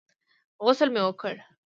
غسل مې وکړ.